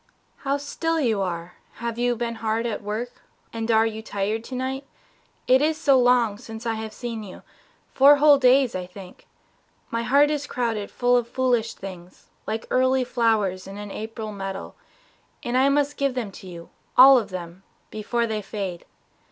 ... How still you are! Have you been hard at work And are you tired to night? It is so long Since I have seen you four whole days, I think. My heart is crowded full of foolish thoughts Like early flowers in an April meadow, And I must give them to you, all of them, Before they fade.